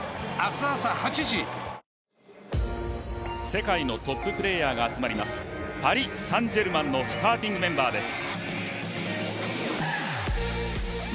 世界のトッププレーヤーが集まりますパリ・サン＝ジェルマンのスターティングメンバーです。